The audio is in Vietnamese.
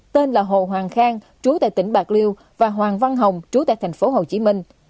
tên là hồ hoàng khang chú tại tỉnh bạc liêu và hoàng văn hồng chú tại thành phố hồ chí minh